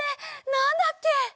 なんだっけ？